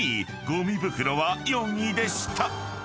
［ごみ袋は４位でした］